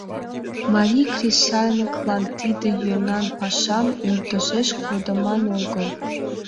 Марий кресаньыкланат тиде йӧнан пашам ӧрдыжеш кодыман огыл.